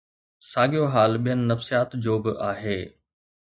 ساڳيو حال ٻين نفيسات جو به آهي.